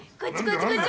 こっち